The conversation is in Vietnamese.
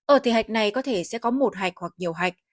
ở thể hạch này có thể sẽ có một hạch hoặc nhiều hạch